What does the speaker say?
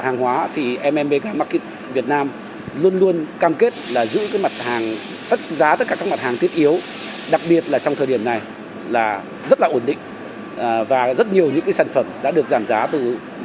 nhiều những sản phẩm đã được giảm giá từ một mươi một mươi năm